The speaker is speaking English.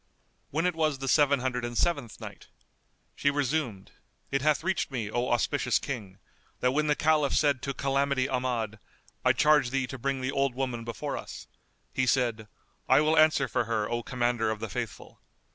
When it was the Seven Hundred and Seventh Night, She resumed, It hath reached me, O auspicious King, that when the Caliph said to Calamity Ahmad, "I charge thee to bring the old woman before us," he said, "I will answer for her, O Commander of the Faithful!"